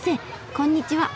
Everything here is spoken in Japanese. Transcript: こんにちは。